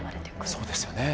そうですよね。